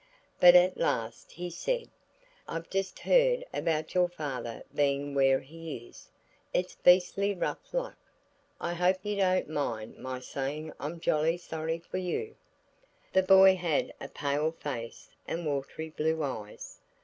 But at last he said– "I've just heard about your father being where he is. It's beastly rough luck. I hope you don't mind my saying I'm jolly sorry for you." The boy had a pale face and watery blue eyes.